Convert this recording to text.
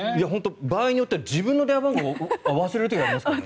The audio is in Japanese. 場合によっては自分の電話番号を忘れる時ありますからね。